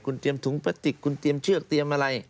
คุณเตรียมถุงพลาสติกคุณเตรียมเชือกเตรียมอะไร